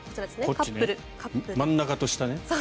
真ん中と下ね。